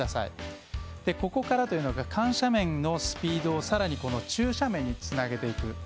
ここからというのが緩斜面のスピードをさらに中斜面につなげていく。